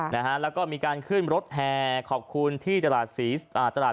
แล้วก็มีการขึ้นรถแห่ขอบคุณที่ตลาดศรีศุกร์